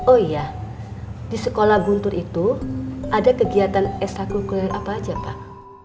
oh iya di sekolah guntur itu ada kegiatan estakuler apa aja pak